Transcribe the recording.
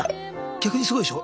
逆にすごいでしょ？